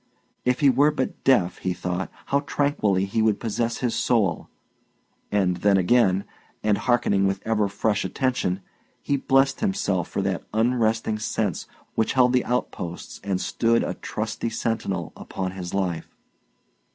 If he were but deaf, he thought, how tranquilly he would possess his soul! And then again, and hearkening with ever fresh attention, he blessed himself for that unresting sense which held the outposts and stood a trusty sentinel upon his life.